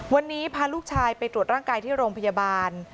วันนี้พาลูกชายไปตรวจร่างกายที่โรงพยาบาล